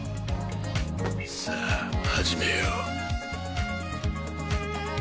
さァ始めよう。